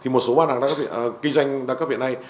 một số bán hàng kinh doanh đa cấp hiện nay